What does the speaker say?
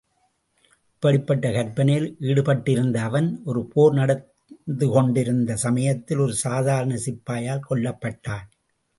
இப்படிப்பட்ட கற்பனையில் ஈடுபட்டிருந்த அவன், ஒரு போர் நடந்து கொண்டிருந்த சமயத்தில் ஒரு சாதாரணச் சிப்பாயால் கொல்லப் பட்டான்.